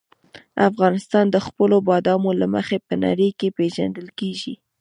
افغانستان د خپلو بادامو له مخې په نړۍ کې پېژندل کېږي.